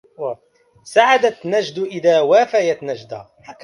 سعدت نجد إذا وافيت نجدا